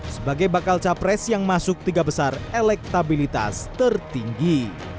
sebagai bakal capres yang masuk tiga besar elektabilitas tertinggi